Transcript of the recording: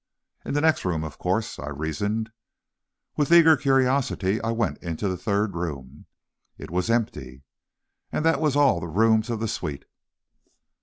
In the next room, of course, I reasoned. With eager curiosity, I went on into the third room. It was empty. And that was all the rooms of the suite.